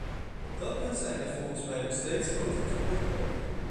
Op dat punt zijn er volgens mij nog steeds grote tekortkomingen.